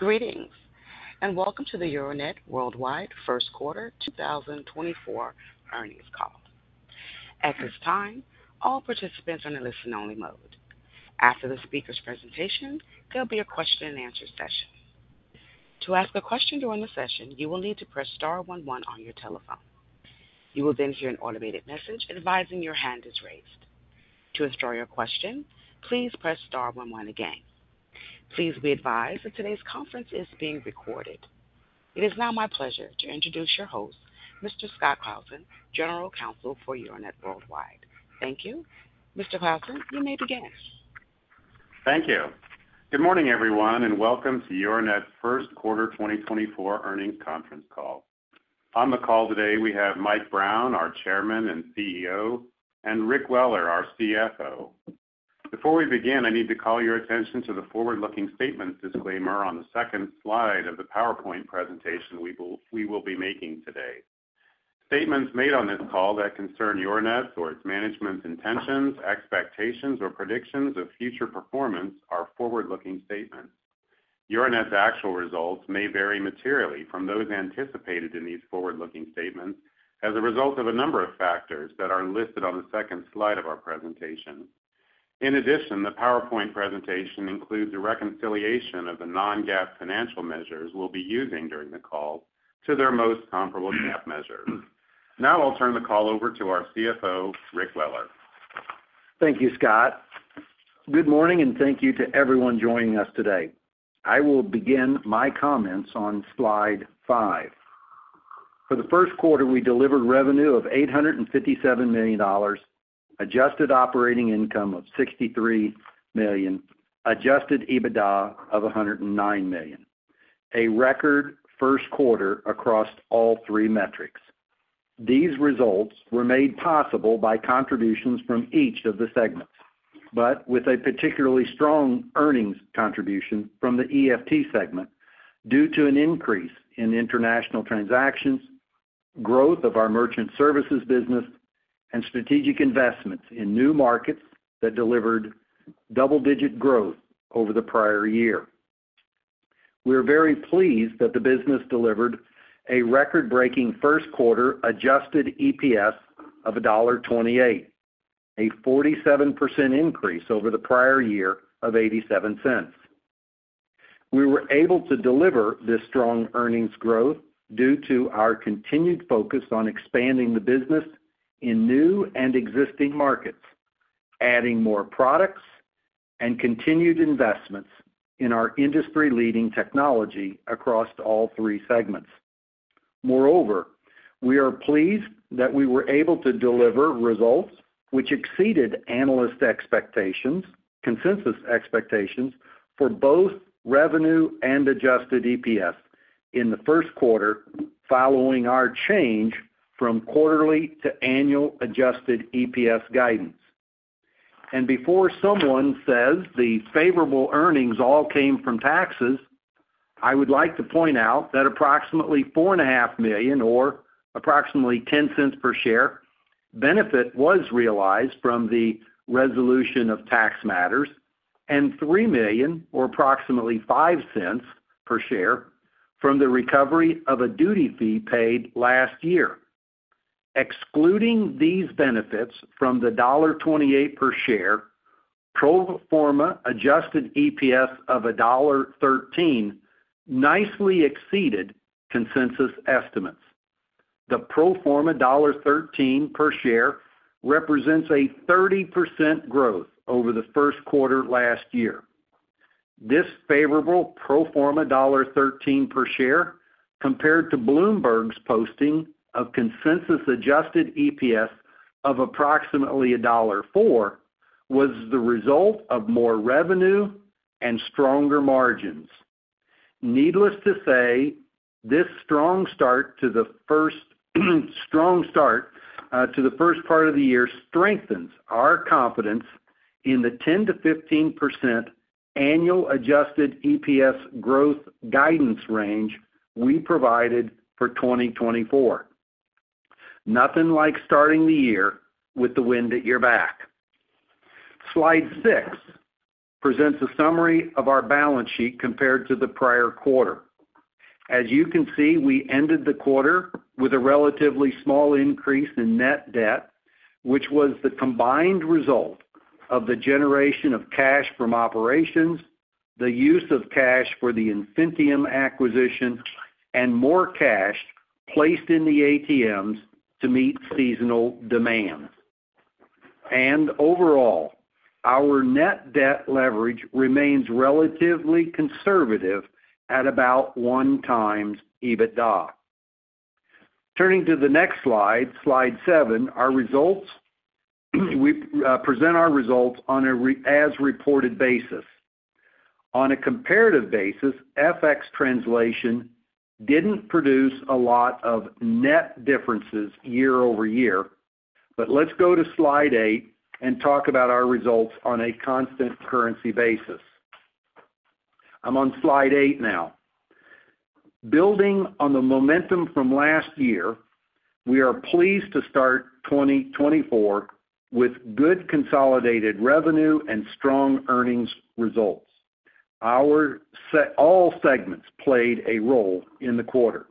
Greetings and welcome to the Euronet Worldwide First Quarter 2024 Earnings Call. At this time, all participants are in a listen-only mode. After the speaker's presentation, there'll be a question-and-answer session. To ask a question during the session, you will need to press star one one on your telephone. You will then hear an automated message advising your hand is raised. To submit your question, please press star one one again. Please be advised that today's conference is being recorded. It is now my pleasure to introduce your host, Mr. Scott Claassen, General Counsel for Euronet Worldwide. Thank you. Mr. Claassen, you may begin. Thank you. Good morning, everyone, and welcome to Euronet's First Quarter 2024 Earnings Conference Call. On the call today, we have Mike Brown, our chairman and CEO, and Rick Weller, our CFO. Before we begin, I need to call your attention to the forward-looking statements disclaimer on the second slide of the PowerPoint presentation we will be making today. Statements made on this call that concern Euronet's or its management's intentions, expectations, or predictions of future performance are forward-looking statements. Euronet's actual results may vary materially from those anticipated in these forward-looking statements as a result of a number of factors that are listed on the second slide of our presentation. In addition, the PowerPoint presentation includes a reconciliation of the non-GAAP financial measures we'll be using during the call to their most comparable GAAP measures. Now I'll turn the call over to our CFO, Rick Weller. Thank you, Scott. Good morning, and thank you to everyone joining us today. I will begin my comments on Slide 5. For the first quarter, we delivered revenue of $857 million, adjusted operating income of $63 million, adjusted EBITDA of $109 million, a record first quarter across all three metrics. These results were made possible by contributions from each of the segments, but with a particularly strong earnings contribution from the EFT segment due to an increase in international transactions, growth of our merchant services business, and strategic investments in new markets that delivered double-digit growth over the prior year. We are very pleased that the business delivered a record-breaking first quarter adjusted EPS of $1.28, a 47% increase over the prior year of $0.87. We were able to deliver this strong earnings growth due to our continued focus on expanding the business in new and existing markets, adding more products, and continued investments in our industry-leading technology across all three segments. Moreover, we are pleased that we were able to deliver results which exceeded analyst expectations, consensus expectations, for both revenue and adjusted EPS in the first quarter following our change from quarterly to annual adjusted EPS guidance. Before someone says the favorable earnings all came from taxes, I would like to point out that approximately $4.5 million or approximately $0.10 per share benefit was realized from the resolution of tax matters and $3 million or approximately $0.05 per share from the recovery of a duty fee paid last year. Excluding these benefits from the $1.28 per share, pro forma adjusted EPS of $1.13 nicely exceeded consensus estimates. The pro forma $1.13 per share represents a 30% growth over the first quarter last year. This favorable pro forma $1.13 per share, compared to Bloomberg's posting of consensus adjusted EPS of approximately $1.04, was the result of more revenue and stronger margins. Needless to say, this strong start to the first part of the year strengthens our confidence in the 10%-15% annual adjusted EPS growth guidance range we provided for 2024. Nothing like starting the year with the wind at your back. Slide 6 presents a summary of our balance sheet compared to the prior quarter. As you can see, we ended the quarter with a relatively small increase in net debt, which was the combined result of the generation of cash from operations, the use of cash for the Infinitium acquisition, and more cash placed in the ATMs to meet seasonal demands. Overall, our net debt leverage remains relatively conservative at about 1x EBITDA. Turning to the next slide, Slide 7, our results. We present our results on a as-reported basis. On a comparative basis, FX translation didn't produce a lot of net differences year-over-year. Let's go to Slide 8 and talk about our results on a constant currency basis. I'm on Slide 8 now. Building on the momentum from last year, we are pleased to start 2024 with good consolidated revenue and strong earnings results. All segments played a role in the quarter.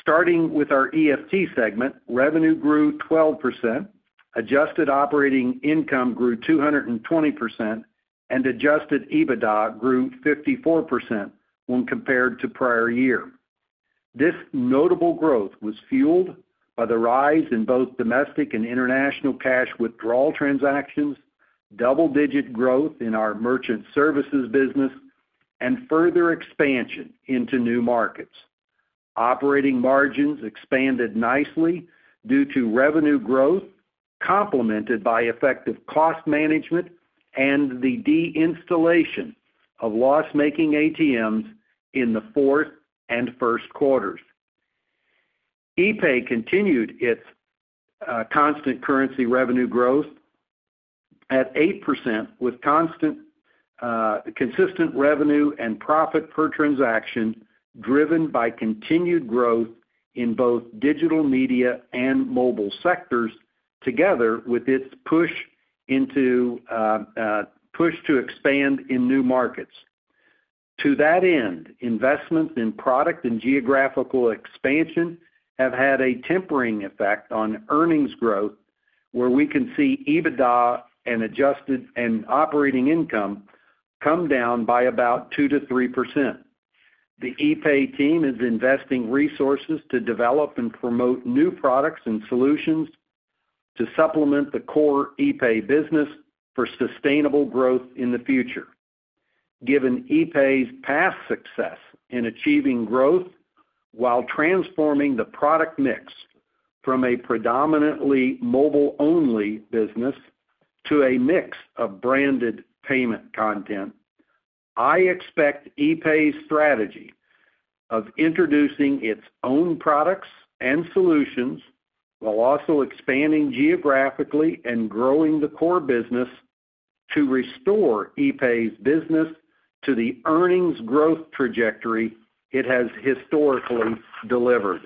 Starting with our EFT segment, revenue grew 12%, adjusted operating income grew 220%, and adjusted EBITDA grew 54% when compared to prior year. This notable growth was fueled by the rise in both domestic and international cash withdrawal transactions, double-digit growth in our merchant services business, and further expansion into new markets. Operating margins expanded nicely due to revenue growth complemented by effective cost management and the de-installation of loss-making ATMs in the fourth and first quarters. epay continued its constant currency revenue growth at 8% with consistent revenue and profit per transaction driven by continued growth in both digital media and mobile sectors together with its push to expand in new markets. To that end, investments in product and geographical expansion have had a tempering effect on earnings growth, where we can see EBITDA and operating income come down by about 2%-3%. The epay team is investing resources to develop and promote new products and solutions to supplement the core epay business for sustainable growth in the future. Given epay's past success in achieving growth while transforming the product mix from a predominantly mobile-only business to a mix of branded payment content, I expect epay's strategy of introducing its own products and solutions while also expanding geographically and growing the core business to restore epay's business to the earnings growth trajectory it has historically delivered.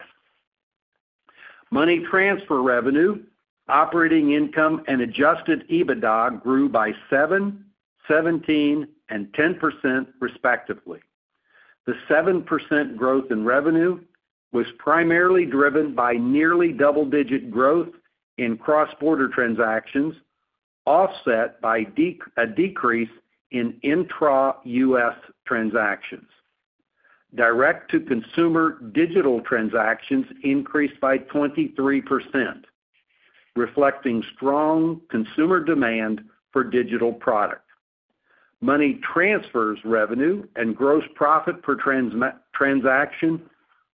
Money transfer revenue, operating income, and Adjusted EBITDA grew by 7%, 17%, and 10% respectively. The 7% growth in revenue was primarily driven by nearly double-digit growth in cross-border transactions offset by a decrease in intra-U.S. transactions. Direct-to-consumer digital transactions increased by 23%, reflecting strong consumer demand for digital product. Money transfers revenue and gross profit per transaction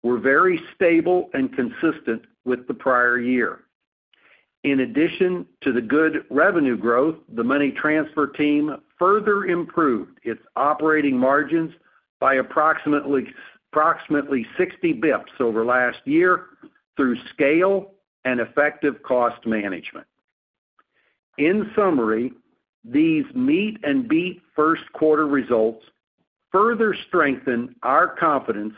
were very stable and consistent with the prior year. In addition to the good revenue growth, the money transfer team further improved its operating margins by approximately 60 bips over last year through scale and effective cost management. In summary, these meet-and-beat first quarter results further strengthen our confidence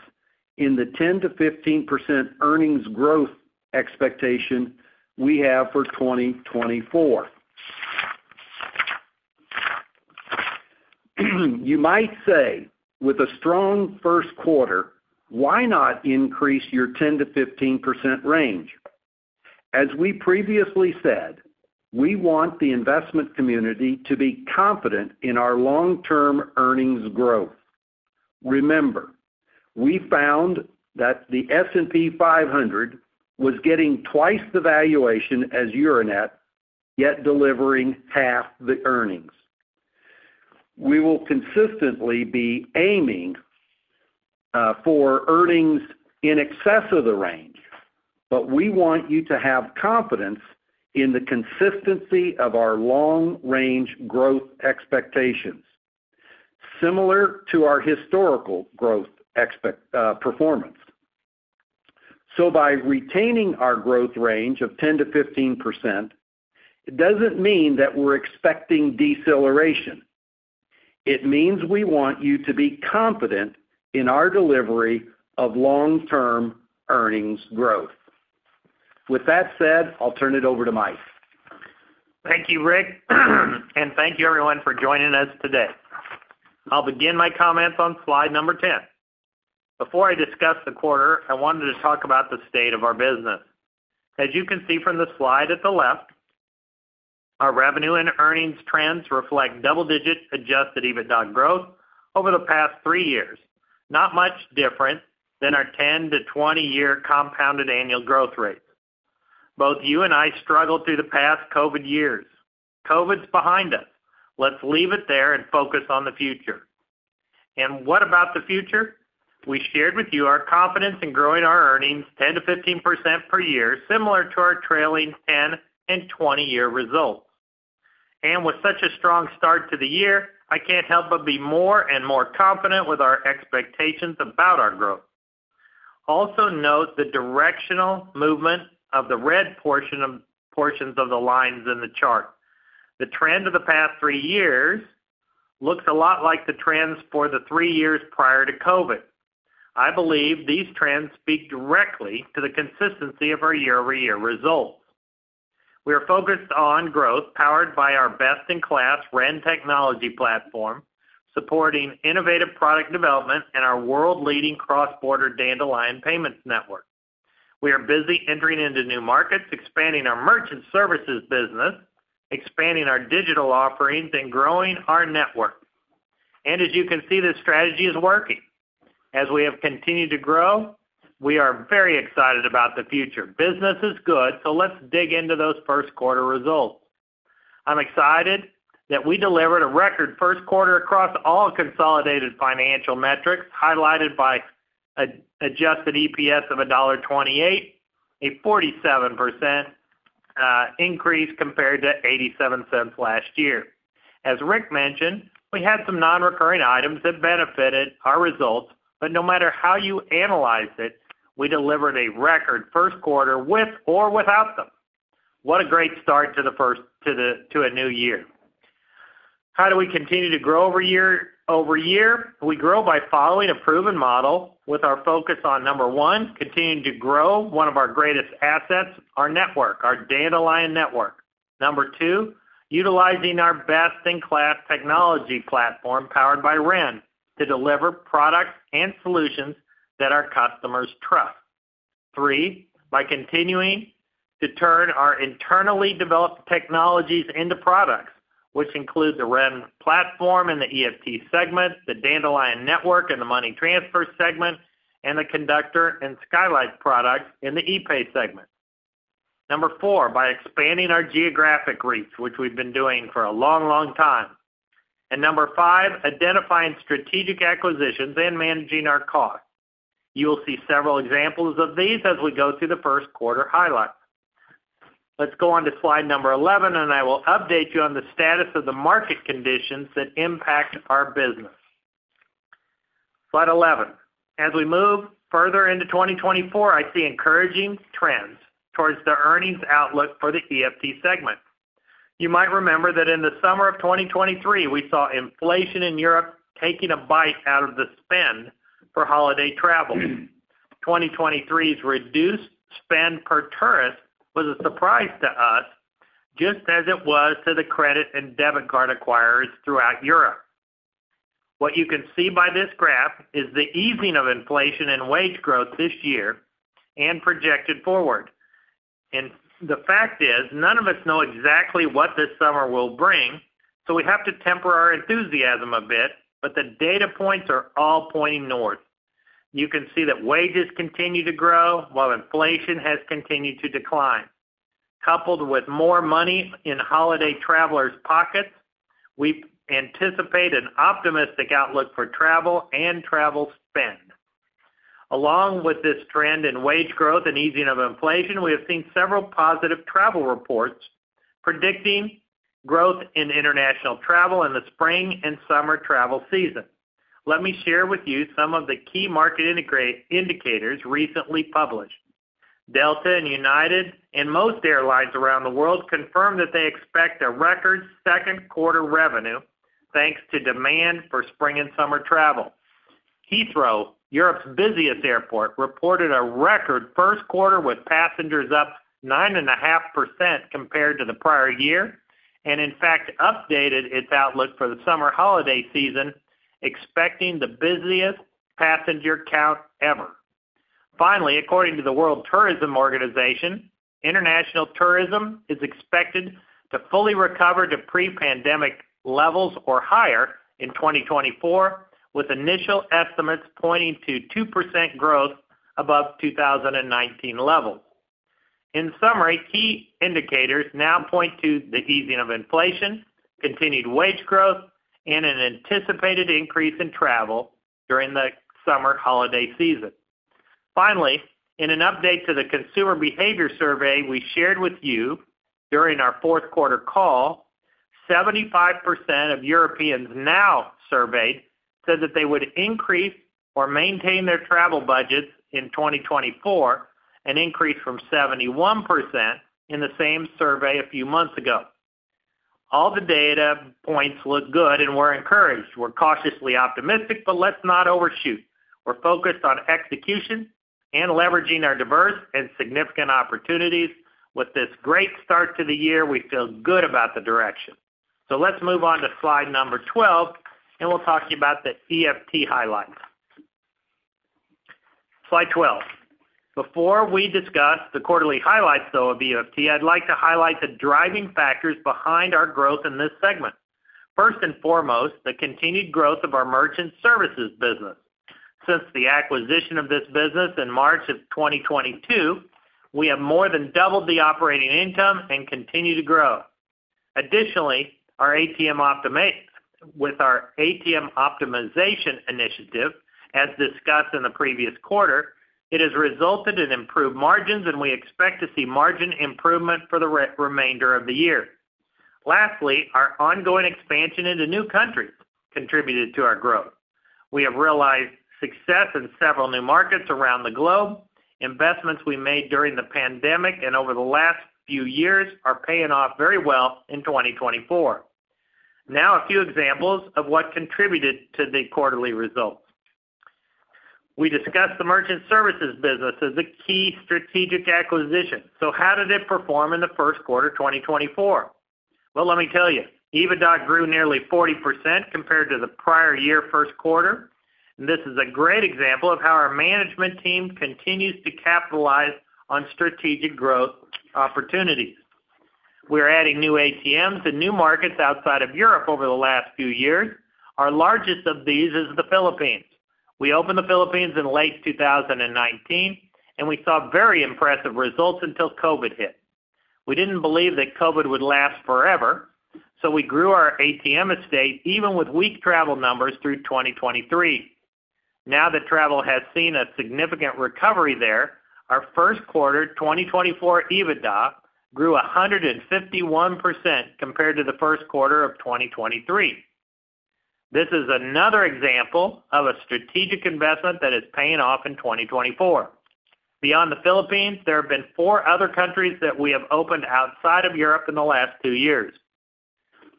in the 10%-15% earnings growth expectation we have for 2024. You might say, "With a strong first quarter, why not increase your 10%-15% range?" As we previously said, we want the investment community to be confident in our long-term earnings growth. Remember, we found that the S&P 500 was getting twice the valuation as Euronet, yet delivering half the earnings. We will consistently be aiming for earnings in excess of the range, but we want you to have confidence in the consistency of our long-range growth expectations, similar to our historical growth performance. So by retaining our growth range of 10%-15%, it doesn't mean that we're expecting deceleration. It means we want you to be confident in our delivery of long-term earnings growth. With that said, I'll turn it over to Mike. Thank you, Rick, and thank you, everyone, for joining us today. I'll begin my comments on Slide number 10. Before I discuss the quarter, I wanted to talk about the state of our business. As you can see from the slide at the left, our revenue and earnings trends reflect double-digit adjusted EBITDA growth over the past three years, not much different than our 10-20 year compounded annual growth rates. Both you and I struggled through the past COVID years. COVID's behind us. Let's leave it there and focus on the future. And what about the future? We shared with you our confidence in growing our earnings 10%-15% per year, similar to our trailing 10-20 year results. And with such a strong start to the year, I can't help but be more and more confident with our expectations about our growth. Also note the directional movement of the red portions of the lines in the chart. The trend of the past three years looks a lot like the trends for the three years prior to COVID. I believe these trends speak directly to the consistency of our year-over-year results. We are focused on growth powered by our best-in-class Ren Technology platform, supporting innovative product development and our world-leading cross-border Dandelion payments network. We are busy entering into new markets, expanding our merchant services business, expanding our digital offerings, and growing our network. And as you can see, this strategy is working. As we have continued to grow, we are very excited about the future. Business is good, so let's dig into those first quarter results. I'm excited that we delivered a record first quarter across all consolidated financial metrics highlighted by an adjusted EPS of $1.28, a 47% increase compared to $0.87 last year. As Rick mentioned, we had some non-recurring items that benefited our results, but no matter how you analyze it, we delivered a record first quarter with or without them. What a great start to a new year. How do we continue to grow over year? We grow by following a proven model with our focus on, number one, continuing to grow one of our greatest assets, our network, our Dandelion network. Number two, utilizing our best-in-class technology platform powered by Ren to deliver products and solutions that our customers trust. Three, by continuing to turn our internally developed technologies into products, which include the Ren platform in the EFT segment, the Dandelion network in the money transfer segment, and the Conductor and Skylight products in the epay segment. Number four, by expanding our geographic reach, which we've been doing for a long, long time. Number five, identifying strategic acquisitions and managing our costs. You will see several examples of these as we go through the first quarter highlights. Let's go on to Slide 11, and I will update you on the status of the market conditions that impact our business. Slide 11. As we move further into 2024, I see encouraging trends towards the earnings outlook for the EFT segment. You might remember that in the summer of 2023, we saw inflation in Europe taking a bite out of the spend for holiday travel. 2023's reduced spend per tourist was a surprise to us, just as it was to the credit and debit card acquirers throughout Europe. What you can see by this graph is the easing of inflation and wage growth this year and projected forward. The fact is, none of us know exactly what this summer will bring, so we have to temper our enthusiasm a bit, but the data points are all pointing north. You can see that wages continue to grow while inflation has continued to decline. Coupled with more money in holiday travelers' pockets, we anticipate an optimistic outlook for travel and travel spend. Along with this trend in wage growth and easing of inflation, we have seen several positive travel reports predicting growth in international travel in the spring and summer travel season. Let me share with you some of the key market indicators recently published. Delta and United and most airlines around the world confirmed that they expect a record second quarter revenue thanks to demand for spring and summer travel. Heathrow, Europe's busiest airport, reported a record first quarter with passengers up 9.5% compared to the prior year and, in fact, updated its outlook for the summer holiday season, expecting the busiest passenger count ever. Finally, according to the World Tourism Organization, international tourism is expected to fully recover to pre-pandemic levels or higher in 2024, with initial estimates pointing to 2% growth above 2019 levels. In summary, key indicators now point to the easing of inflation, continued wage growth, and an anticipated increase in travel during the summer holiday season. Finally, in an update to the consumer behavior survey we shared with you during our fourth quarter call, 75% of Europeans now surveyed said that they would increase or maintain their travel budgets in 2024, an increase from 71% in the same survey a few months ago. All the data points look good, and we're encouraged. We're cautiously optimistic, but let's not overshoot. We're focused on execution and leveraging our diverse and significant opportunities. With this great start to the year, we feel good about the direction. So let's move on to Slide 12, and we'll talk to you about the EFT highlights. Slide 12. Before we discuss the quarterly highlights, though, of EFT, I'd like to highlight the driving factors behind our growth in this segment. First and foremost, the continued growth of our merchant services business. Since the acquisition of this business in March of 2022, we have more than doubled the operating income and continue to grow. Additionally, with our ATM optimization initiative, as discussed in the previous quarter, it has resulted in improved margins, and we expect to see margin improvement for the remainder of the year. Lastly, our ongoing expansion into new countries contributed to our growth. We have realized success in several new markets around the globe. Investments we made during the pandemic and over the last few years are paying off very well in 2024. Now, a few examples of what contributed to the quarterly results. We discussed the merchant services business as a key strategic acquisition. So how did it perform in the first quarter 2024? Well, let me tell you, EBITDA grew nearly 40% compared to the prior year first quarter. This is a great example of how our management team continues to capitalize on strategic growth opportunities. We are adding new ATMs to new markets outside of Europe over the last few years. Our largest of these is the Philippines. We opened the Philippines in late 2019, and we saw very impressive results until COVID hit. We didn't believe that COVID would last forever, so we grew our ATM estate even with weak travel numbers through 2023. Now that travel has seen a significant recovery there, our first quarter 2024 EBITDA grew 151% compared to the first quarter of 2023. This is another example of a strategic investment that is paying off in 2024. Beyond the Philippines, there have been four other countries that we have opened outside of Europe in the last two years.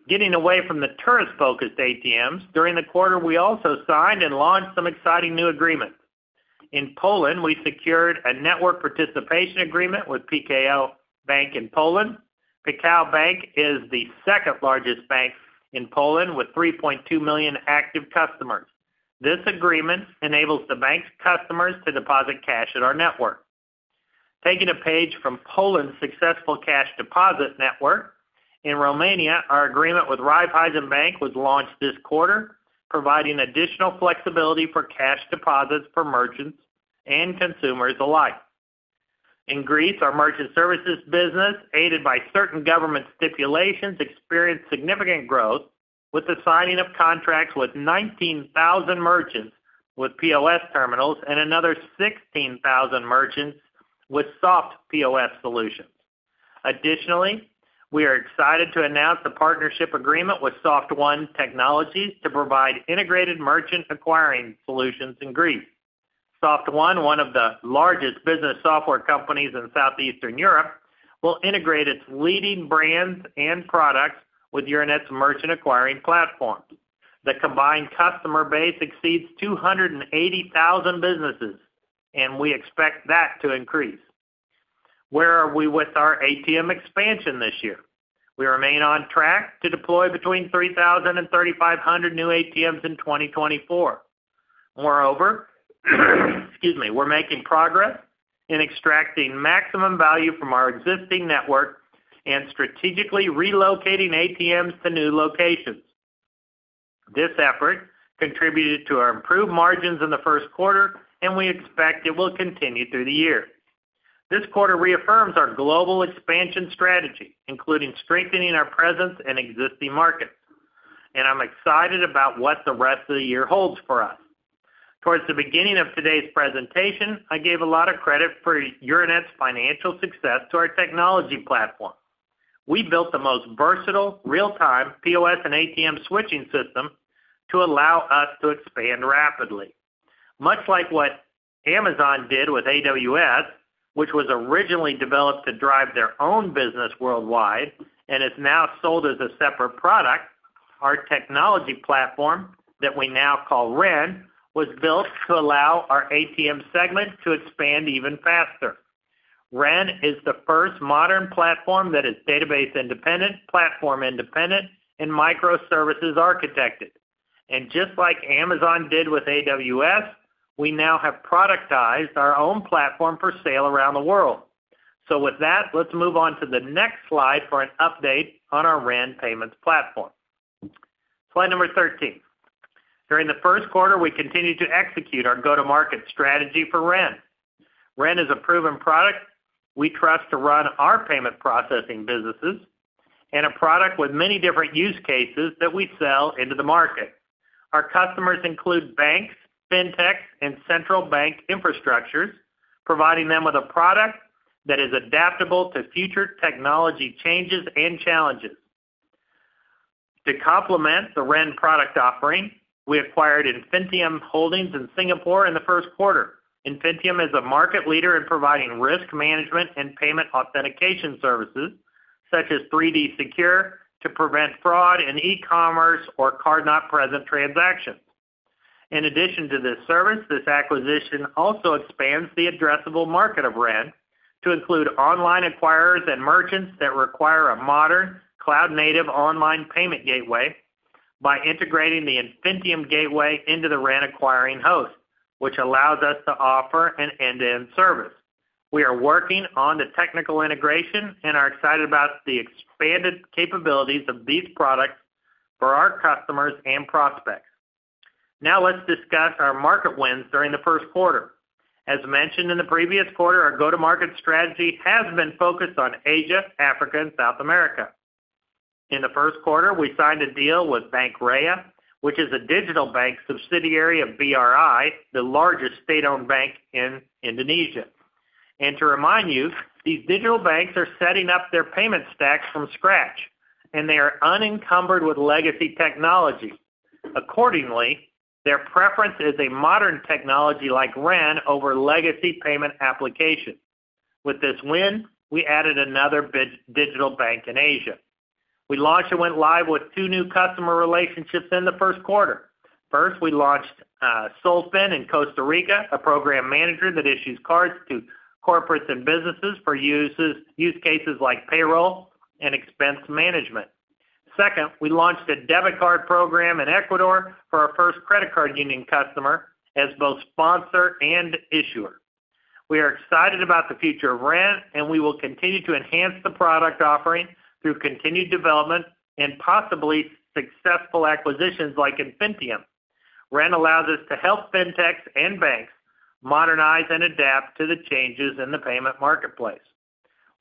Getting away from the tourist-focused ATMs, during the quarter, we also signed and launched some exciting new agreements. In Poland, we secured a network participation agreement with PKO Bank Polski. PKO Bank Polski is the second-largest bank in Poland with 3.2 million active customers. This agreement enables the bank's customers to deposit cash at our network. Taking a page from Poland's successful cash deposit network, in Romania, our agreement with Raiffeisen Bank was launched this quarter, providing additional flexibility for cash deposits for merchants and consumers alike. In Greece, our merchant services business, aided by certain government stipulations, experienced significant growth with the signing of contracts with 19,000 merchants with POS terminals and another 16,000 merchants with SoftPOS solutions. Additionally, we are excited to announce a partnership agreement with SOFTONE Technologies to provide integrated merchant acquiring solutions in Greece. SOFTONE, one of the largest business software companies in Southeastern Europe, will integrate its leading brands and products with Euronet's merchant acquiring platforms. The combined customer base exceeds 280,000 businesses, and we expect that to increase. Where are we with our ATM expansion this year? We remain on track to deploy between 3,000 and 3,500 new ATMs in 2024. Moreover, excuse me, we're making progress in extracting maximum value from our existing network and strategically relocating ATMs to new locations. This effort contributed to our improved margins in the first quarter, and we expect it will continue through the year. This quarter reaffirms our global expansion strategy, including strengthening our presence in existing markets. I'm excited about what the rest of the year holds for us. Towards the beginning of today's presentation, I gave a lot of credit for Euronet's financial success to our technology platform. We built the most versatile, real-time POS and ATM switching system to allow us to expand rapidly. Much like what Amazon did with AWS, which was originally developed to drive their own business worldwide and is now sold as a separate product, our technology platform that we now call Ren was built to allow our ATM segment to expand even faster. Ren is the first modern platform that is database-independent, platform-independent, and microservices architected. And just like Amazon did with AWS, we now have productized our own platform for sale around the world. So with that, let's move on to the next slide for an update on our Ren payments platform. Slide number 13. During the first quarter, we continued to execute our go-to-market strategy for Ren. Ren is a proven product we trust to run our payment processing businesses and a product with many different use cases that we sell into the market. Our customers include banks, fintechs, and central bank infrastructures, providing them with a product that is adaptable to future technology changes and challenges. To complement the Ren product offering, we acquired Infinitium Holdings in Singapore in the first quarter. Infinitium is a market leader in providing risk management and payment authentication services such as 3D Secure to prevent fraud in e-commerce or card-not-present transactions. In addition to this service, this acquisition also expands the addressable market of Ren to include online acquirers and merchants that require a modern, cloud-native online payment gateway by integrating the Infinitium gateway into the Ren acquiring host, which allows us to offer an end-to-end service. We are working on the technical integration and are excited about the expanded capabilities of these products for our customers and prospects. Now, let's discuss our market wins during the first quarter. As mentioned in the previous quarter, our go-to-market strategy has been focused on Asia, Africa, and South America. In the first quarter, we signed a deal with Bank Raya, which is a digital bank subsidiary of BRI, the largest state-owned bank in Indonesia. And to remind you, these digital banks are setting up their payment stacks from scratch, and they are unencumbered with legacy technology. Accordingly, their preference is a modern technology like Ren over legacy payment applications. With this win, we added another digital bank in Asia. We launched and went live with two new customer relationships in the first quarter. First, we launched Solfin in Costa Rica, a program manager that issues cards to corporates and businesses for use cases like payroll and expense management. Second, we launched a debit card program in Ecuador for our first credit union customer as both sponsor and issuer. We are excited about the future of Ren, and we will continue to enhance the product offering through continued development and possibly successful acquisitions like Infinitium. Ren allows us to help fintechs and banks modernize and adapt to the changes in the payment marketplace.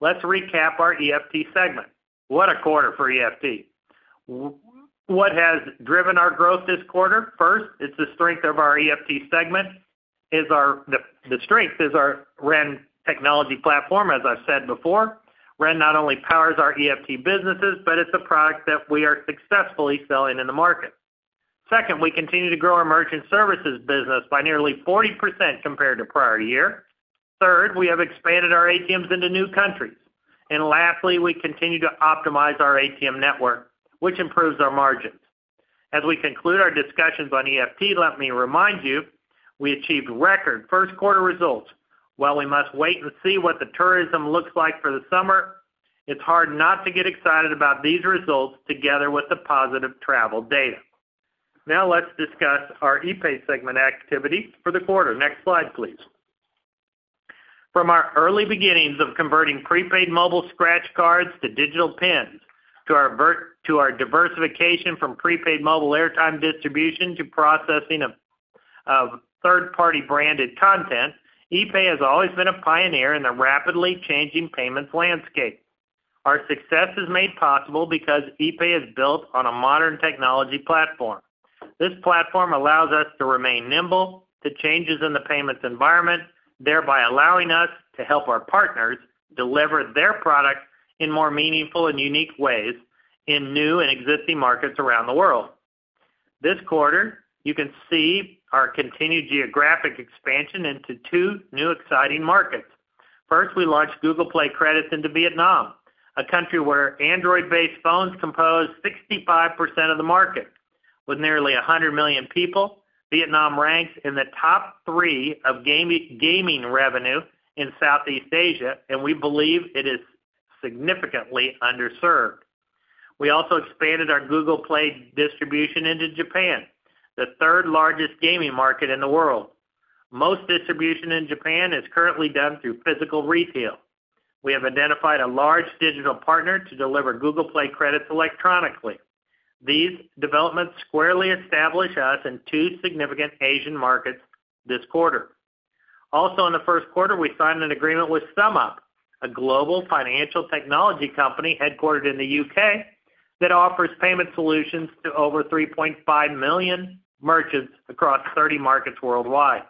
Let's recap our EFT segment. What a quarter for EFT. What has driven our growth this quarter? First, it's the strength of our EFT segment. The strength is our Ren technology platform, as I've said before. Ren not only powers our EFT businesses, but it's a product that we are successfully selling in the market. Second, we continue to grow our merchant services business by nearly 40% compared to prior year. Third, we have expanded our ATMs into new countries. And lastly, we continue to optimize our ATM network, which improves our margins. As we conclude our discussions on EFT, let me remind you, we achieved record first quarter results. While we must wait and see what the tourism looks like for the summer, it's hard not to get excited about these results together with the positive travel data. Now, let's discuss our epay segment activities for the quarter. Next slide, please. From our early beginnings of converting prepaid mobile scratch cards to digital PINs to our diversification from prepaid mobile airtime distribution to processing of third-party branded content, epay has always been a pioneer in the rapidly changing payments landscape. Our success is made possible because epay is built on a modern technology platform. This platform allows us to remain nimble to changes in the payments environment, thereby allowing us to help our partners deliver their products in more meaningful and unique ways in new and existing markets around the world. This quarter, you can see our continued geographic expansion into two new exciting markets. First, we launched Google Play Credits into Vietnam, a country where Android-based phones compose 65% of the market. With nearly 100 million people, Vietnam ranks in the top three of gaming revenue in Southeast Asia, and we believe it is significantly underserved. We also expanded our Google Play distribution into Japan, the third-largest gaming market in the world. Most distribution in Japan is currently done through physical retail. We have identified a large digital partner to deliver Google Play Credits electronically. These developments squarely establish us in two significant Asian markets this quarter. Also, in the first quarter, we signed an agreement with SumUp, a global financial technology company headquartered in the U.K. that offers payment solutions to over 3.5 million merchants across 30 markets worldwide.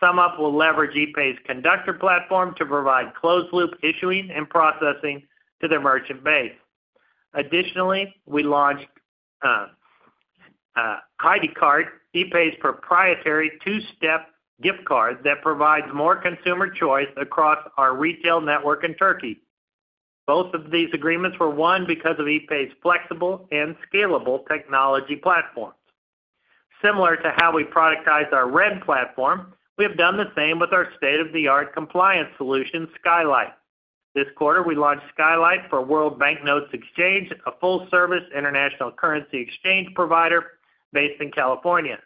SumUp will leverage epay's Conductor platform to provide closed-loop issuing and processing to their merchant base. Additionally, we launched Hediye Kart, epay's proprietary two-step gift card that provides more consumer choice across our retail network in Turkey. Both of these agreements were won because of epay's flexible and scalable technology platforms. Similar to how we productized our Ren platform, we have done the same with our state-of-the-art compliance solution, Skylight. This quarter, we launched Skylight for World Banknote Exchange, a full-service international currency exchange provider based in California.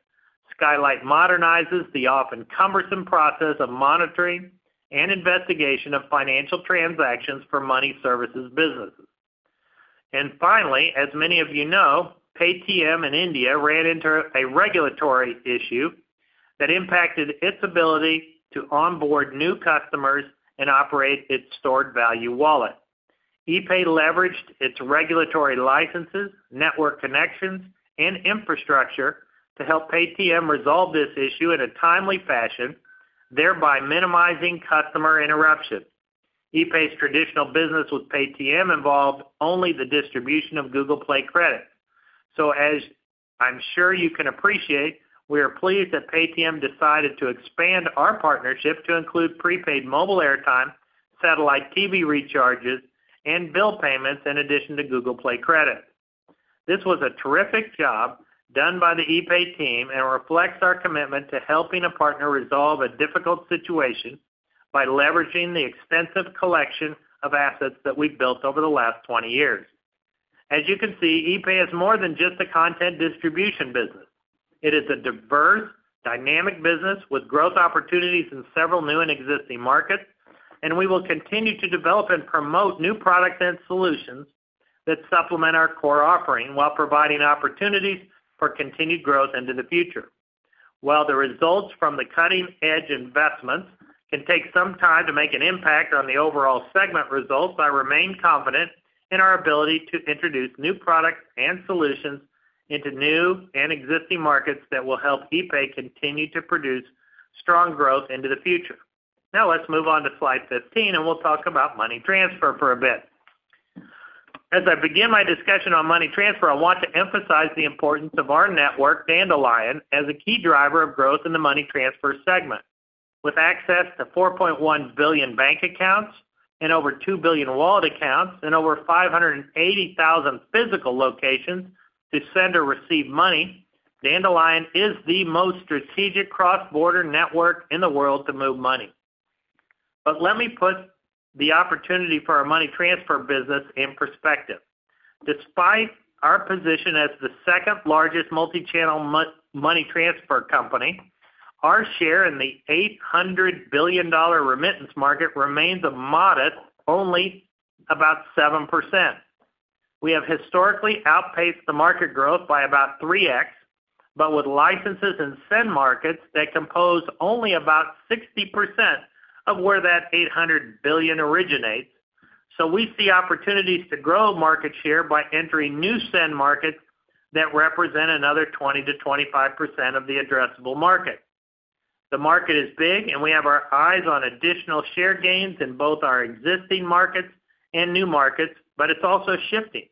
Skylight modernizes the often cumbersome process of monitoring and investigation of financial transactions for money services businesses. And finally, as many of you know, Paytm in India ran into a regulatory issue that impacted its ability to onboard new customers and operate its stored value wallet. epay leveraged its regulatory licenses, network connections, and infrastructure to help Paytm resolve this issue in a timely fashion, thereby minimizing customer interruptions. epay's traditional business with Paytm involved only the distribution of Google Play Credits. So as I'm sure you can appreciate, we are pleased that Paytm decided to expand our partnership to include prepaid mobile airtime, satellite TV recharges, and bill payments in addition to Google Play Credits. This was a terrific job done by the epay team and reflects our commitment to helping a partner resolve a difficult situation by leveraging the extensive collection of assets that we've built over the last 20 years. As you can see, epay is more than just a content distribution business. It is a diverse, dynamic business with growth opportunities in several new and existing markets, and we will continue to develop and promote new products and solutions that supplement our core offering while providing opportunities for continued growth into the future. While the results from the cutting-edge investments can take some time to make an impact on the overall segment results, I remain confident in our ability to introduce new products and solutions into new and existing markets that will help epay continue to produce strong growth into the future. Now, let's move on to Slide 15, and we'll talk about money transfer for a bit. As I begin my discussion on money transfer, I want to emphasize the importance of our network, Dandelion, as a key driver of growth in the money transfer segment. With access to 4.1 billion bank accounts and over 2 billion wallet accounts and over 580,000 physical locations to send or receive money, Dandelion is the most strategic cross-border network in the world to move money. But let me put the opportunity for our money transfer business in perspective. Despite our position as the second-largest multi-channel money transfer company, our share in the $800 billion remittance market remains a modest, only about 7%. We have historically outpaced the market growth by about 3X, but with licenses in Send markets that compose only about 60% of where that $800 billion originates, so we see opportunities to grow market share by entering new Send markets that represent another 20%-25% of the addressable market. The market is big, and we have our eyes on additional share gains in both our existing markets and new markets, but it's also shifting.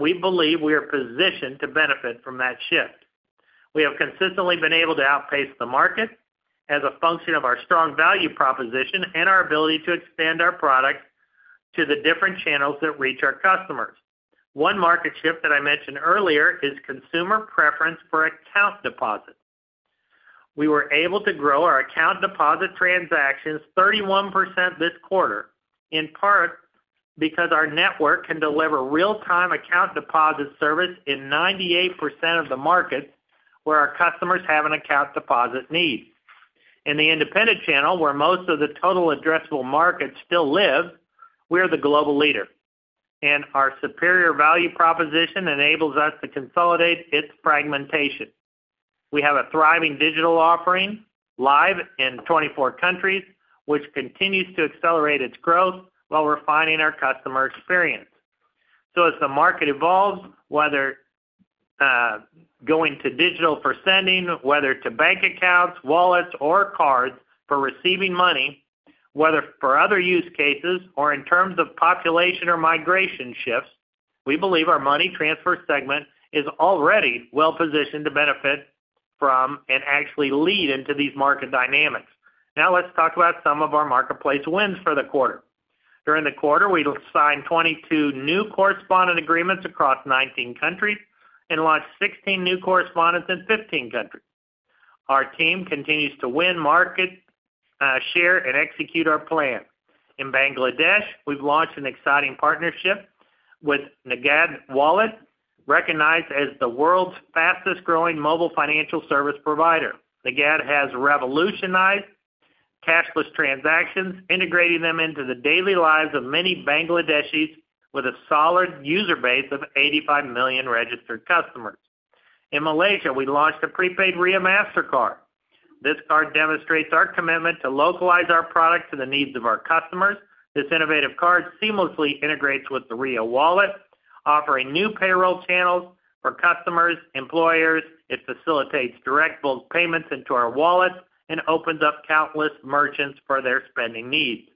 We believe we are positioned to benefit from that shift. We have consistently been able to outpace the market as a function of our strong value proposition and our ability to expand our products to the different channels that reach our customers. One market shift that I mentioned earlier is consumer preference for account deposits. We were able to grow our account deposit transactions 31% this quarter, in part because our network can deliver real-time account deposit service in 98% of the markets where our customers have an account deposit need. In the independent channel, where most of the total addressable markets still live, we are the global leader. Our superior value proposition enables us to consolidate its fragmentation. We have a thriving digital offering live in 24 countries, which continues to accelerate its growth while refining our customer experience. So as the market evolves, whether going to digital for sending, whether to bank accounts, wallets, or cards for receiving money, whether for other use cases or in terms of population or migration shifts, we believe our money transfer segment is already well-positioned to benefit from and actually lead into these market dynamics. Now, let's talk about some of our marketplace wins for the quarter. During the quarter, we signed 22 new correspondent agreements across 19 countries and launched 16 new correspondents in 15 countries. Our team continues to win market share and execute our plan. In Bangladesh, we've launched an exciting partnership with Nagad Wallet, recognized as the world's fastest-growing mobile financial service provider. Nagad has revolutionized cashless transactions, integrating them into the daily lives of many Bangladeshis with a solid user base of 85 million registered customers. In Malaysia, we launched a prepaid Ria Mastercard. This card demonstrates our commitment to localize our product to the needs of our customers. This innovative card seamlessly integrates with the Ria Wallet, offering new payroll channels for customers, employers. It facilitates direct payments into our wallets and opens up countless merchants for their spending needs.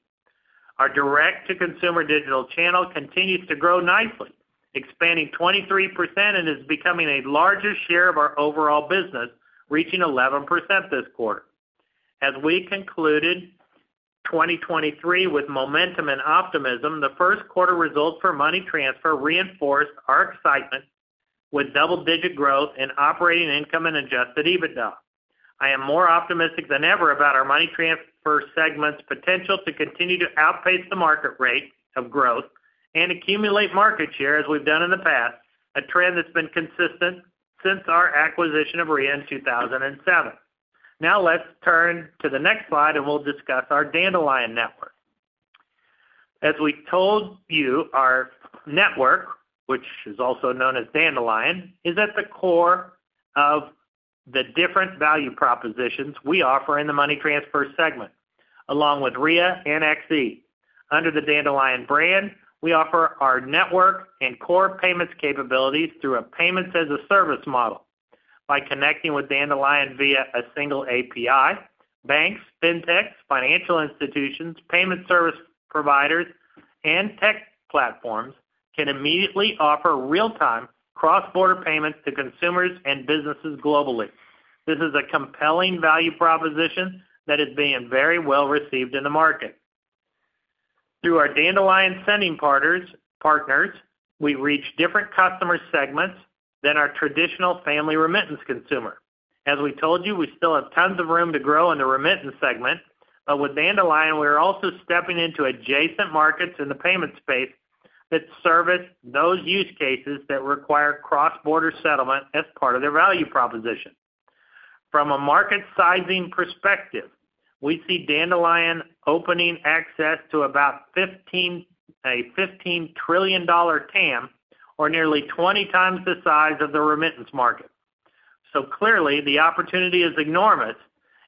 Our direct-to-consumer digital channel continues to grow nicely, expanding 23% and is becoming a larger share of our overall business, reaching 11% this quarter. As we concluded 2023 with momentum and optimism, the first quarter results for money transfer reinforced our excitement with double-digit growth and operating income and adjusted EBITDA. I am more optimistic than ever about our money transfer segment's potential to continue to outpace the market rate of growth and accumulate market share as we've done in the past, a trend that's been consistent since our acquisition of Ria in 2007. Now, let's turn to the next slide, and we'll discuss our Dandelion network. As we told you, our network, which is also known as Dandelion, is at the core of the different value propositions we offer in the money transfer segment, along with Ria and XE. Under the Dandelion brand, we offer our network and core payments capabilities through a payments-as-a-service model. By connecting with Dandelion via a single API, banks, fintechs, financial institutions, payment service providers, and tech platforms can immediately offer real-time cross-border payments to consumers and businesses globally. This is a compelling value proposition that is being very well received in the market. Through our Dandelion sending partners, we reach different customer segments than our traditional family remittance consumer. As we told you, we still have tons of room to grow in the remittance segment, but with Dandelion, we are also stepping into adjacent markets in the payment space that service those use cases that require cross-border settlement as part of their value proposition. From a market sizing perspective, we see Dandelion opening access to about a $15 trillion TAM, or nearly 20 times the size of the remittance market. So clearly, the opportunity is enormous,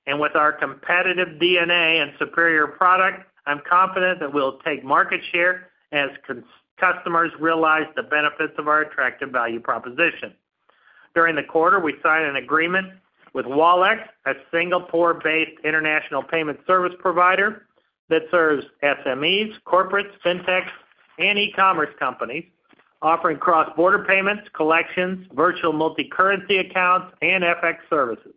and with our competitive DNA and superior product, I'm confident that we'll take market share as customers realize the benefits of our attractive value proposition. During the quarter, we signed an agreement with Wallex, a Singapore-based international payment service provider that serves SMEs, corporates, fintechs, and e-commerce companies, offering cross-border payments, collections, virtual multicurrency accounts, and FX services.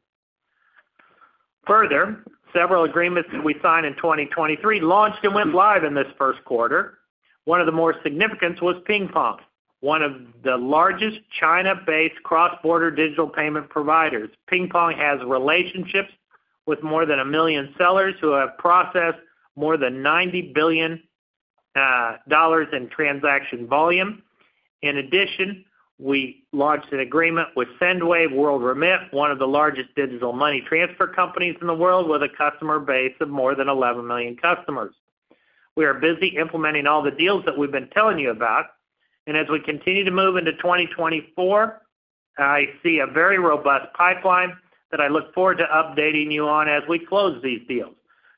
Further, several agreements that we signed in 2023 launched and went live in this first quarter. One of the more significant was PingPong, one of the largest China-based cross-border digital payment providers. PingPong has relationships with more than 1 million sellers who have processed more than $90 billion in transaction volume. In addition, we launched an agreement with Sendwave, WorldRemit, one of the largest digital money transfer companies in the world, with a customer base of more than 11 million customers. We are busy implementing all the deals that we've been telling you about, and as we continue to move into 2024, I see a very robust pipeline that I look forward to updating you on as we close these deals.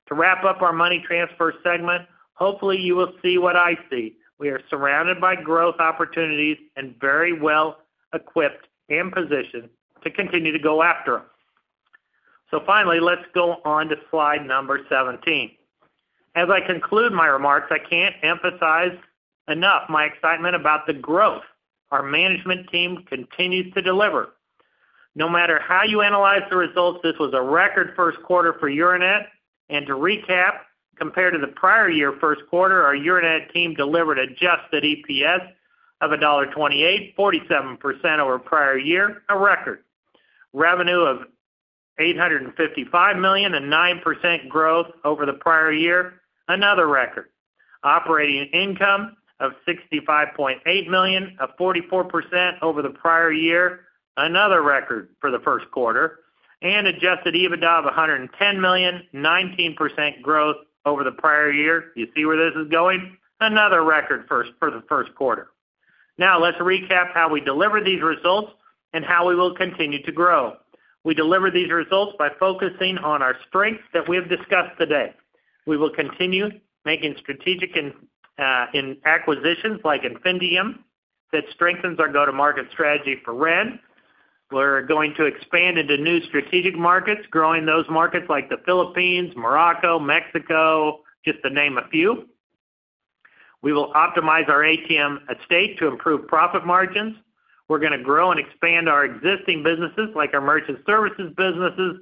To wrap up our money transfer segment, hopefully, you will see what I see. We are surrounded by growth opportunities and very well-equipped and positioned to continue to go after them. So finally, let's go on to Slide number 17. As I conclude my remarks, I can't emphasize enough my excitement about the growth our management team continues to deliver. No matter how you analyze the results, this was a record first quarter for Euronet. And to recap, compared to the prior year first quarter, our Euronet team delivered adjusted EPS of $1.28, 47% over prior year, a record. Revenue of $855 million and 9% growth over the prior year, another record. Operating income of $65.8 million, a 44% over the prior year, another record for the first quarter. And adjusted EBITDA of $110 million, 19% growth over the prior year. You see where this is going? Another record for the first quarter. Now, let's recap how we deliver these results and how we will continue to grow. We deliver these results by focusing on our strengths that we have discussed today. We will continue making strategic acquisitions like Infinitium that strengthens our go-to-market strategy for Ren. We're going to expand into new strategic markets, growing those markets like the Philippines, Morocco, Mexico, just to name a few. We will optimize our ATM estate to improve profit margins. We're going to grow and expand our existing businesses like our merchant services businesses,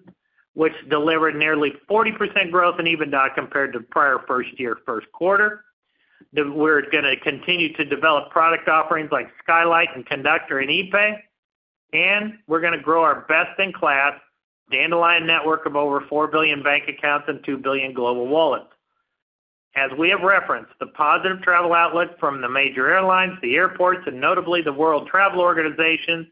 which delivered nearly 40% growth in EBITDA compared to prior first year first quarter. We're going to continue to develop product offerings like Skylight and Conductor in epay, and we're going to grow our best-in-class Dandelion network of over 4 billion bank accounts and 2 billion global wallets. As we have referenced, the positive travel outlook from the major airlines, the airports, and notably the World Travel Organization,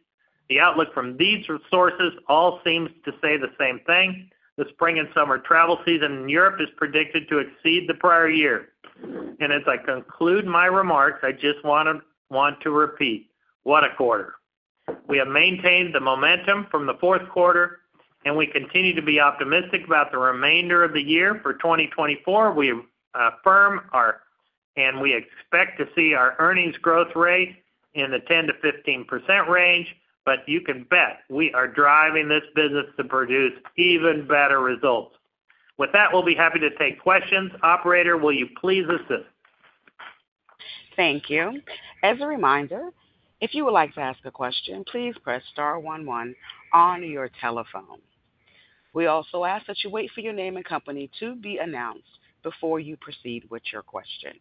the outlook from these sources all seems to say the same thing. The spring and summer travel season in Europe is predicted to exceed the prior year. As I conclude my remarks, I just want to repeat, what a quarter. We have maintained the momentum from the fourth quarter, and we continue to be optimistic about the remainder of the year. For 2024, we affirm our. We expect to see our earnings growth rate in the 10%-15% range, but you can bet, we are driving this business to produce even better results. With that, we'll be happy to take questions. Operator, will you please assist? Thank you. As a reminder, if you would like to ask a question, please press star one one on your telephone. We also ask that you wait for your name and company to be announced before you proceed with your question.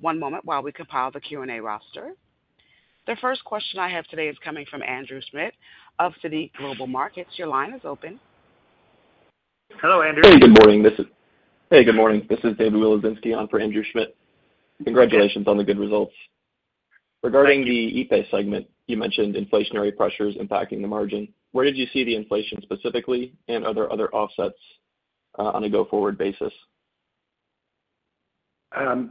One moment while we compile the Q&A roster. The first question I have today is coming from Andrew Schmidt, of Citi Global Markets. Your line is open. Hello, Andrew. Hey, good morning. This is David Wieloszynski on for Andrew Schmidt. Congratulations on the good results. Regarding the epay segment, you mentioned inflationary pressures impacting the margin. Where did you see the inflation specifically, and are there other offsets on a go-forward basis?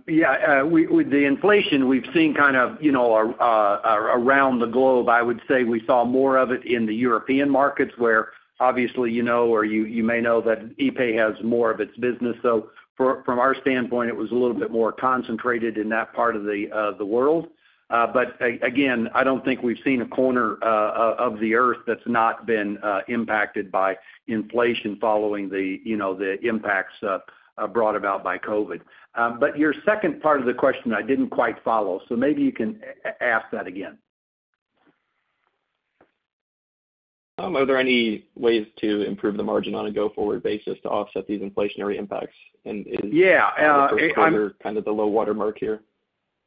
Yeah. With the inflation, we've seen kind of around the globe, I would say we saw more of it in the European markets where, obviously, or you may know that epay has more of its business. So from our standpoint, it was a little bit more concentrated in that part of the world. But again, I don't think we've seen a corner of the earth that's not been impacted by inflation following the impacts brought about by COVID. But your second part of the question, I didn't quite follow, so maybe you can ask that again. Are there any ways to improve the margin on a go-forward basis to offset these inflationary impacts? And is the first quarter kind of the low-water mark here?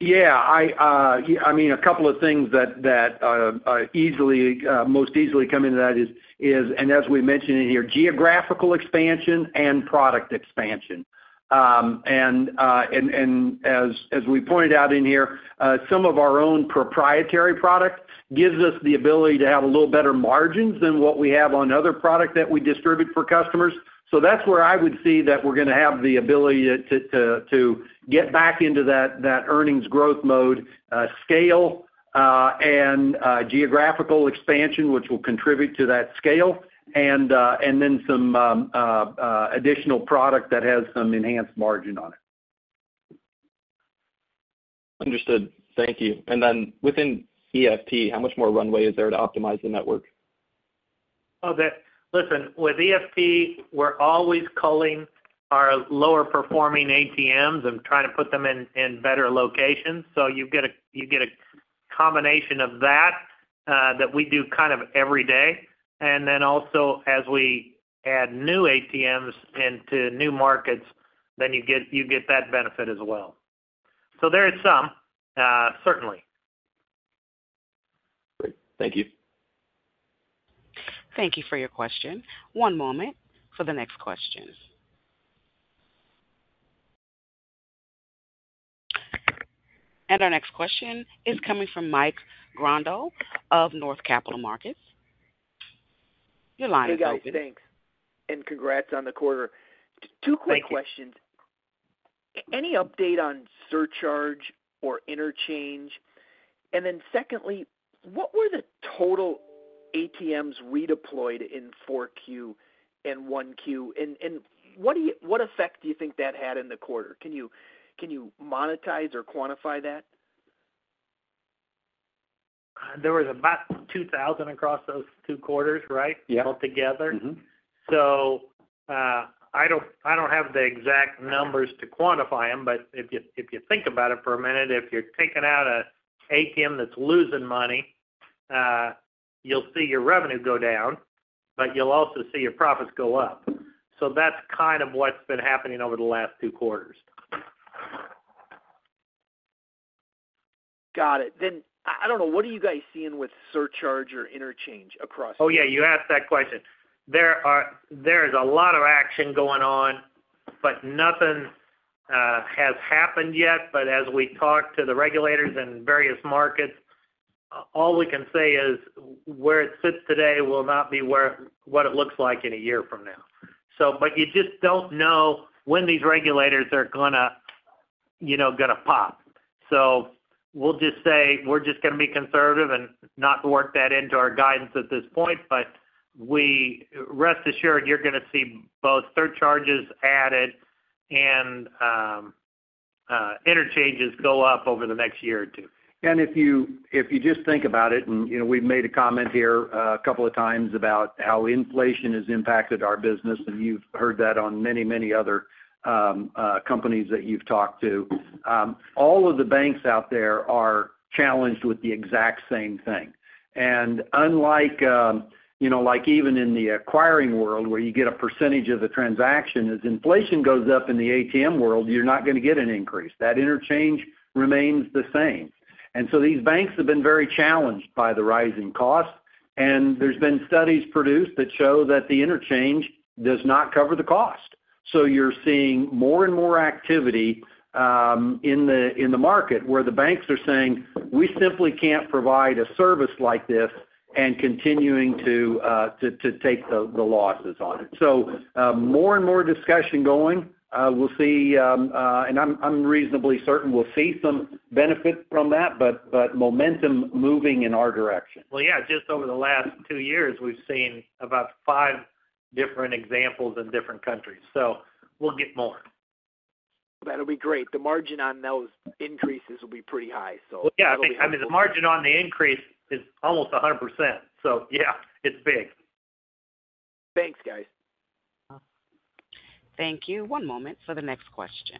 Yeah. I mean, a couple of things that most easily come into that is, and as we mentioned in here, geographical expansion and product expansion. And as we pointed out in here, some of our own proprietary product gives us the ability to have a little better margins than what we have on other product that we distribute for customers. So that's where I would see that we're going to have the ability to get back into that earnings growth mode, scale, and geographical expansion, which will contribute to that scale, and then some additional product that has some enhanced margin on it. Understood. Thank you. And then within EFT, how much more runway is there to optimize the network? Listen, with EFT, we're always culling our lower-performing ATMs and trying to put them in better locations. So you get a combination of that that we do kind of every day. And then also, as we add new ATMs into new markets, then you get that benefit as well. So there is some, certainly. Great. Thank you. Thank you for your question. One moment for the next question. Our next question is coming from Mike Grondahl of Northland Capital Markets. Your line is open. Hey, guys. Thanks. Congrats on the quarter. Two quick questions. Any update on surcharge or interchange? Then secondly, what were the total ATMs redeployed in 4Q and 1Q? What effect do you think that had in the quarter? Can you monetize or quantify that? There was about 2,000 across those two quarters, right, altogether? So I don't have the exact numbers to quantify them, but if you think about it for a minute, if you're taking out an ATM that's losing money, you'll see your revenue go down, but you'll also see your profits go up. So that's kind of what's been happening over the last two quarters. Got it. Then I don't know. What are you guys seeing with surcharge or interchange across the year? Oh, yeah. You asked that question. There is a lot of action going on, but nothing has happened yet. As we talk to the regulators in various markets, all we can say is where it sits today will not be what it looks like in a year from now. You just don't know when these regulators are going to pop. We'll just say we're just going to be conservative and not work that into our guidance at this point, but rest assured, you're going to see both surcharges added and interchanges go up over the next year or two. And if you just think about it, and we've made a comment here a couple of times about how inflation has impacted our business, and you've heard that on many, many other companies that you've talked to, all of the banks out there are challenged with the exact same thing. And unlike even in the acquiring world, where you get a percentage of the transaction, as inflation goes up in the ATM world, you're not going to get an increase. That interchange remains the same. And so these banks have been very challenged by the rising costs, and there's been studies produced that show that the interchange does not cover the cost. So you're seeing more and more activity in the market where the banks are saying, "We simply can't provide a service like this," and continuing to take the losses on it. So more and more discussion going. We'll see, and I'm reasonably certain we'll see some benefit from that, but momentum moving in our direction. Well, yeah. Just over the last two years, we've seen about five different examples in different countries. So we'll get more. That'll be great. The margin on those increases will be pretty high, so. Yeah. I mean, the margin on the increase is almost 100%. So yeah, it's big. Thanks, guys. Thank you. One moment for the next question.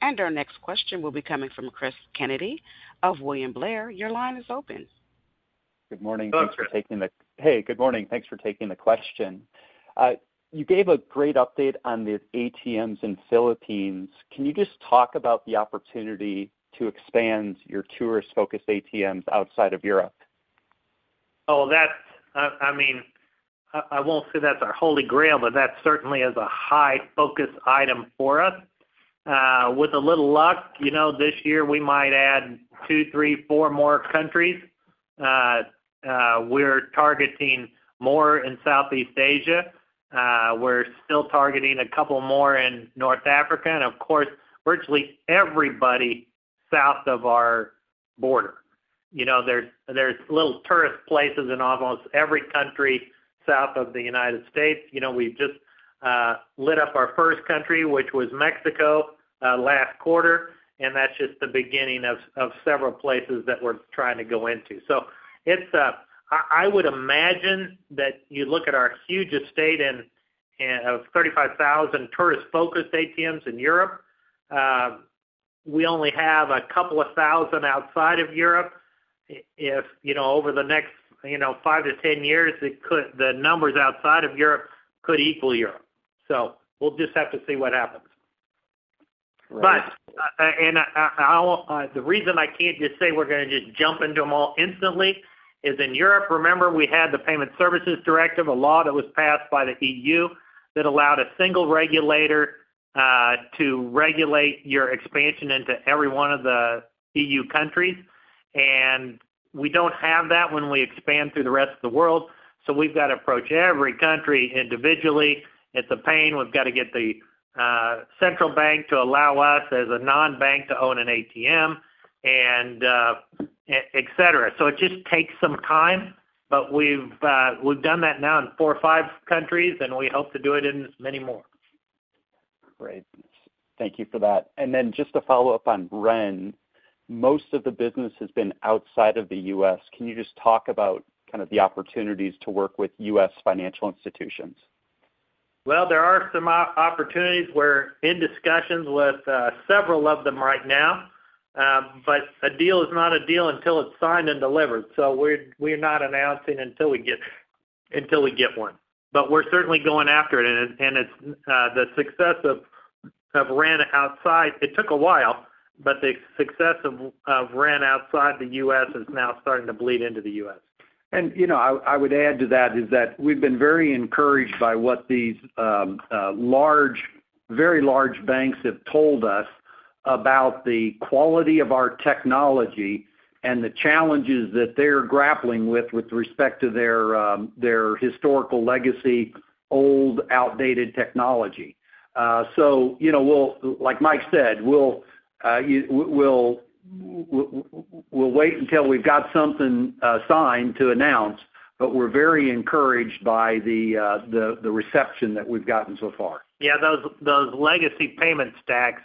Our next question will be coming from Chris Kennedy of William Blair. Your line is open. Good morning. Thanks for taking the question. You gave a great update on the ATMs in Philippines. Can you just talk about the opportunity to expand your tourist-focused ATMs outside of Europe? Oh, I mean, I won't say that's our holy grail, but that certainly is a high-focus item for us. With a little luck, this year, we might add two, three, four more countries. We're targeting more in Southeast Asia. We're still targeting a couple more in North Africa and, of course, virtually everybody south of our border. There's little tourist places in almost every country south of the United States. We've just lit up our first country, which was Mexico, last quarter, and that's just the beginning of several places that we're trying to go into. So I would imagine that you look at our huge estate of 35,000 tourist-focused ATMs in Europe. We only have a couple of thousand outside of Europe. Over the next 5-10 years, the numbers outside of Europe could equal Europe. So we'll just have to see what happens. The reason I can't just say we're going to just jump into them all instantly is in Europe, remember, we had the Payment Services Directive, a law that was passed by the E.U. that allowed a single regulator to regulate your expansion into every one of the E.U. countries. We don't have that when we expand through the rest of the world. We've got to approach every country individually. It's a pain. We've got to get the central bank to allow us as a non-bank to own an ATM, etc. It just takes some time, but we've done that now in four or five countries, and we hope to do it in many more. Great. Thank you for that. And then just to follow up on Ren, most of the business has been outside of the U.S. Can you just talk about kind of the opportunities to work with U.S. financial institutions? Well, there are some opportunities. We're in discussions with several of them right now, but a deal is not a deal until it's signed and delivered. So we're not announcing until we get one. But we're certainly going after it. And the success of Ren outside it took a while, but the success of Ren outside the U.S. is now starting to bleed into the U.S. I would add to that is that we've been very encouraged by what these very large banks have told us about the quality of our technology and the challenges that they're grappling with with respect to their historical legacy, old, outdated technology. So like Mike said, we'll wait until we've got something signed to announce, but we're very encouraged by the reception that we've gotten so far. Yeah. Those legacy payment stacks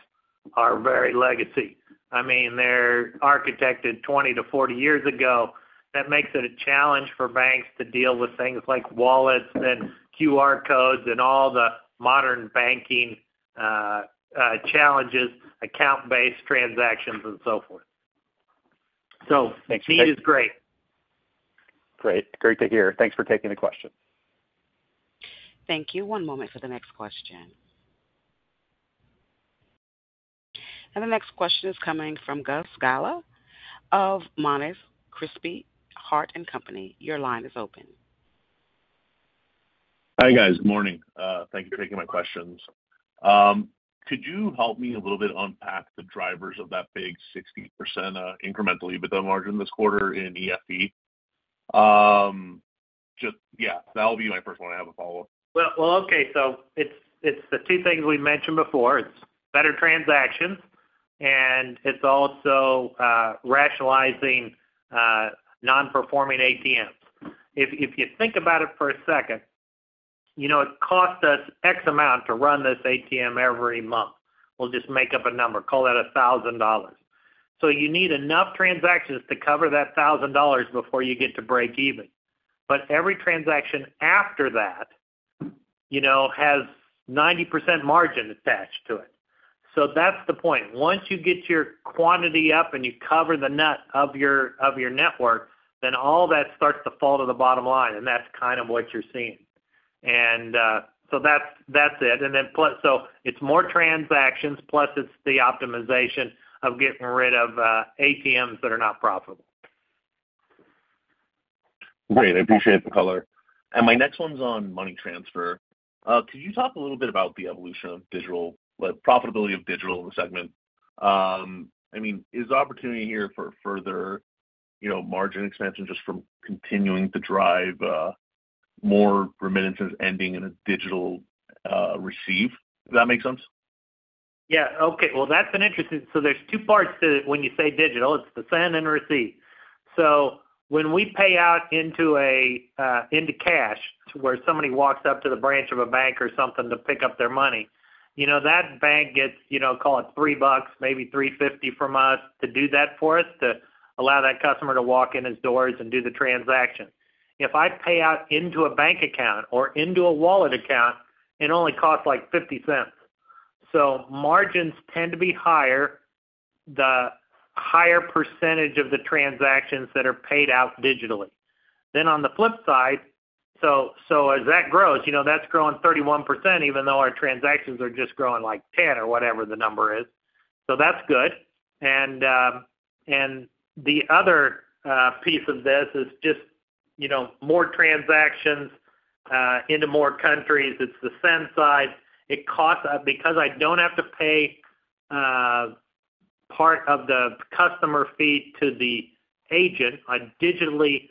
are very legacy. I mean, they're architected 20-40 years ago. That makes it a challenge for banks to deal with things like wallets and QR codes and all the modern banking challenges, account-based transactions, and so forth. So the need is great. Great. Great to hear. Thanks for taking the question. Thank you. One moment for the next question. The next question is coming from Gus Gala of Monness, Crespi, Hardt & Co. Your line is open. Hi, guys. Good morning. Thank you for taking my questions. Could you help me a little bit unpack the drivers of that big 60% incrementally with the margin this quarter in EFT? Yeah. That'll be my first one. I have a follow-up. Well, okay. So it's the two things we mentioned before. It's better transactions, and it's also rationalizing non-performing ATMs. If you think about it for a second, it cost us X amount to run this ATM every month. We'll just make up a number. Call that $1,000. So you need enough transactions to cover that $1,000 before you get to break even. But every transaction after that has 90% margin attached to it. So that's the point. Once you get your quantity up and you cover the nut of your network, then all that starts to fall to the bottom line, and that's kind of what you're seeing. And so that's it. And then so it's more transactions, plus it's the optimization of getting rid of ATMs that are not profitable. Great. I appreciate the color. And my next one's on money transfer. Could you talk a little bit about the evolution of profitability of digital in the segment? I mean, is the opportunity here for further margin expansion just from continuing to drive more remittances ending in a digital receive? Does that make sense? Yeah. Okay. Well, that's an interesting so there's two parts to it. When you say digital, it's the send and receive. So when we pay out into cash, where somebody walks up to the branch of a bank or something to pick up their money, that bank gets, call it, $3, maybe $3.50 from us to do that for us, to allow that customer to walk in his doors and do the transaction. If I pay out into a bank account or into a wallet account, it only costs like $0.50. So margins tend to be higher, the higher percentage of the transactions that are paid out digitally. Then on the flip side, so as that grows, that's growing 31% even though our transactions are just growing like 10% or whatever the number is. So that's good. The other piece of this is just more transactions into more countries. It's the send side. Because I don't have to pay part of the customer fee to the agent, a digitally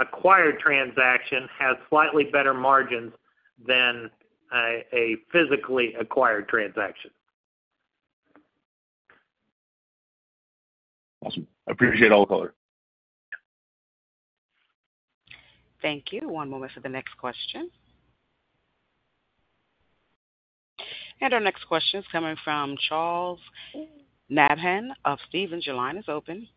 acquired transaction has slightly better margins than a physically acquired transaction. Awesome. I appreciate all the color. Thank you. One moment for the next question. Our next question is coming from Charles Nabhan of Stephens. Your line is open.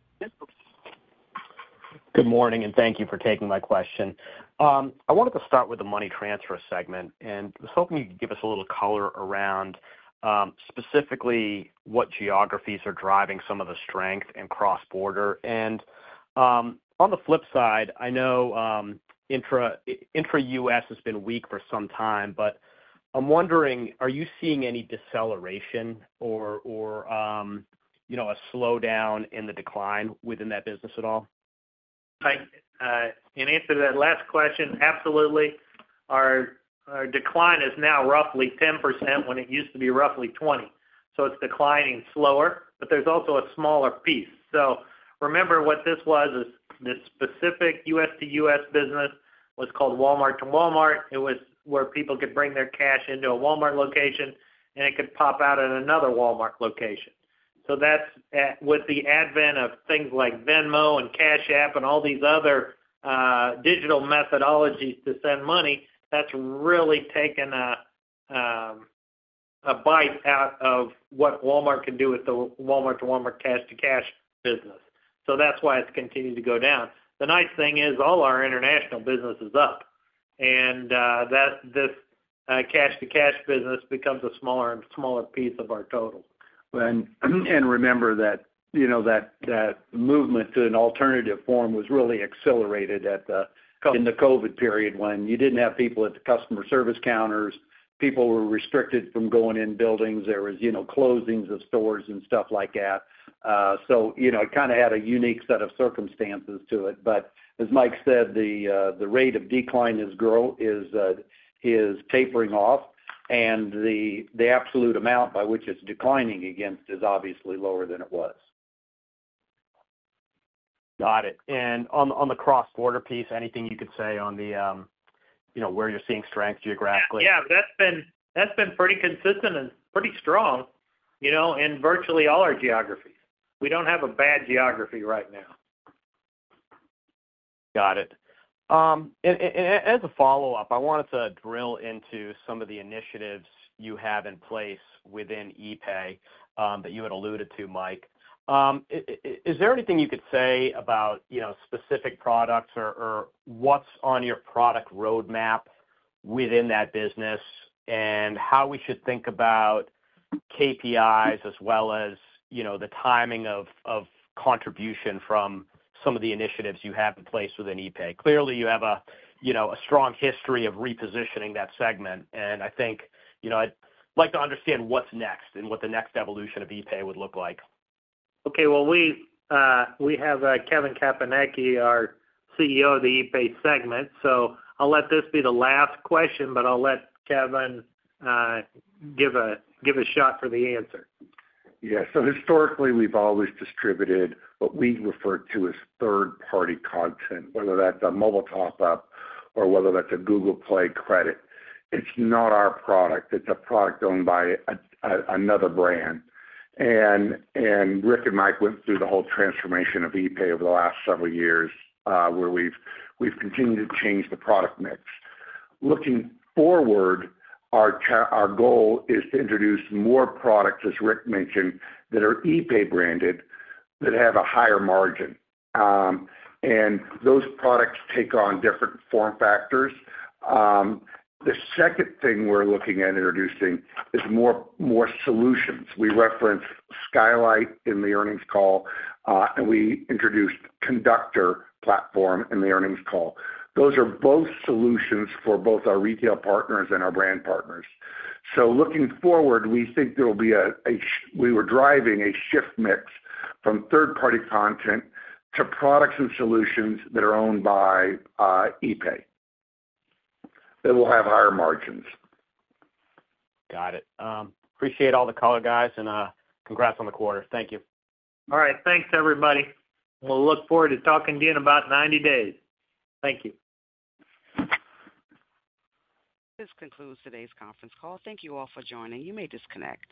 Good morning, and thank you for taking my question. I wanted to start with the money transfer segment, and I was hoping you could give us a little color around specifically what geographies are driving some of the strength and cross-border. On the flip side, I know intra-U.S. has been weak for some time, but I'm wondering, are you seeing any deceleration or a slowdown in the decline within that business at all? In answer to that last question, absolutely. Our decline is now roughly 10% when it used to be roughly 20%. So it's declining slower, but there's also a smaller piece. So remember what this was? This specific U.S. to U.S. business was called Walmart2Walmart. It was where people could bring their cash into a Walmart location, and it could pop out at another Walmart location. So with the advent of things like Venmo and Cash App and all these other digital methodologies to send money, that's really taken a bite out of what Walmart can do with the Walmart2Walmart cash-to-cash business. So that's why it's continued to go down. The nice thing is all our international business is up, and this cash-to-cash business becomes a smaller and smaller piece of our total. Remember that movement to an alternative form was really accelerated in the COVID period when you didn't have people at the customer service counters. People were restricted from going in buildings. There was closings of stores and stuff like that. So it kind of had a unique set of circumstances to it. But as Mike said, the rate of decline is tapering off, and the absolute amount by which it's declining against is obviously lower than it was. Got it. And on the cross-border piece, anything you could say on where you're seeing strength geographically? Yeah. Yeah. That's been pretty consistent and pretty strong in virtually all our geographies. We don't have a bad geography right now. Got it. And as a follow-up, I wanted to drill into some of the initiatives you have in place within epay that you had alluded to, Mike. Is there anything you could say about specific products or what's on your product roadmap within that business and how we should think about KPIs as well as the timing of contribution from some of the initiatives you have in place within epay? Clearly, you have a strong history of repositioning that segment, and I think I'd like to understand what's next and what the next evolution of epay would look like. Okay. Well, we have Kevin Caponecchi, our CEO of the epay segment. I'll let this be the last question, but I'll let Kevin give a shot for the answer. Yeah. So historically, we've always distributed what we refer to as third-party content, whether that's a mobile top-up or whether that's a Google Play credit. It's not our product. It's a product owned by another brand. And Rick and Mike went through the whole transformation of epay over the last several years where we've continued to change the product mix. Looking forward, our goal is to introduce more products, as Rick mentioned, that are epay-branded that have a higher margin. And those products take on different form factors. The second thing we're looking at introducing is more solutions. We referenced Skylight in the earnings call, and we introduced Conductor Platform in the earnings call. Those are both solutions for both our retail partners and our brand partners. Looking forward, we think there will be a shift mix from third-party content to products and solutions that are owned by epay that will have higher margins. Got it. Appreciate all the color guys, and congrats on the quarter. Thank you. All right. Thanks, everybody. We'll look forward to talking to you in about 90 days. Thank you. This concludes today's conference call. Thank you all for joining. You may disconnect.